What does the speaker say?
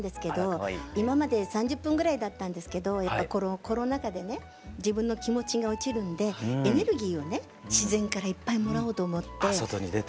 今まで３０分ぐらいだったんですけどやっぱコロナ禍でね自分の気持ちが落ちるんでエネルギーをね自然からいっぱいもらおうと思って。